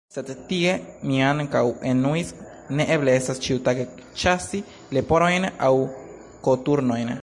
Sed tie mi ankaŭ enuis: ne eble estas ĉiutage ĉasi leporojn aŭ koturnojn!